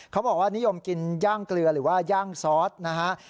เขาบอกว่านิยมกินย่างเกลือหรือว่าย่างซอสนะฮะ